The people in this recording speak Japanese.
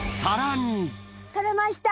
採れました。